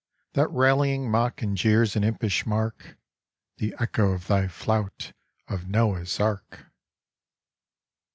That rallying mock and jeer's an impish mark The echo of thy flout of Noah's ark!